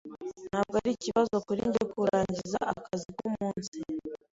Ntabwo ari ikibazo kuri njye kurangiza akazi kumunsi.